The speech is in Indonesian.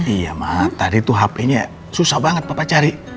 iya mah tadi tuh hp nya susah banget bapak cari